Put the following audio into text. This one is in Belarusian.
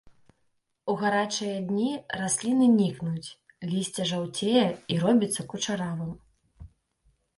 У гарачыя дні расліны нікнуць, лісце жаўцее і робіцца кучаравым.